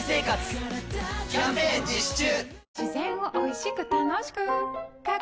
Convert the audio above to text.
キャンペーン実施中！